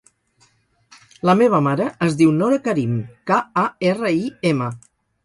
La meva mare es diu Nora Karim: ca, a, erra, i, ema.